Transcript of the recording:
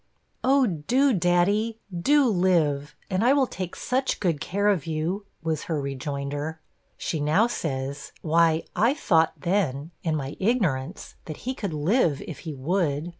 'Oh, do, daddy, do live, and I will take such good care of you,' was her rejoinder. She now says, 'Why, I thought then, in my ignorance, that he could live, if he would.